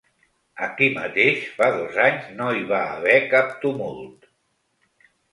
Aquí mateix fa dos anys no hi va haver cap tumult.